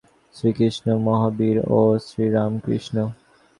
যেমন ভারতবর্ষে শ্রীরামচন্দ্র, শ্রীকৃষ্ণ, মহাবীর ও শ্রীরামকৃষ্ণ।